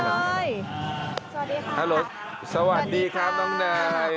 สวัสดีค่ะสวัสดีค่ะน้องเนย